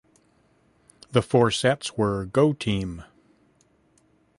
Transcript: The four sets were Go Team!